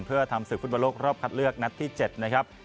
เพื่อทำศึกฟุตบอลโลกรอบคัดเลือกนัดที่๗นะครับ